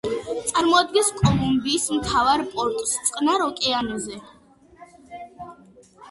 წარმოადგენს კოლუმბიის მთავარ პორტს წყნარ ოკეანეზე.